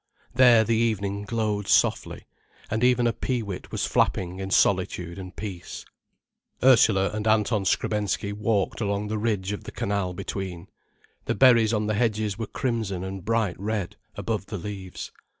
There the evening glowed softly, and even a pee wit was flapping in solitude and peace. Ursula and Anton Skrebensky walked along the ridge of the canal between. The berries on the hedges were crimson and bright red, above the leaves.